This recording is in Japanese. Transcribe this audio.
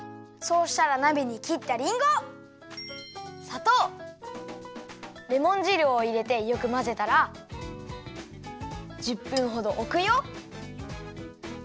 そうしたらなべにきったりんごさとうレモン汁をいれてよくまぜたら１０分ほどおくよ。